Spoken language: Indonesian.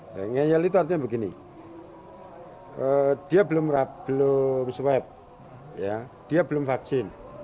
ngeyel itu artinya begini dia belum swab dia belum vaksin